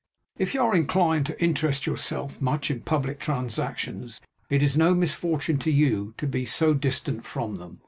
If you are inclined to interest yourself much in publick transactions, it is no misfortune to you to be so distant from them.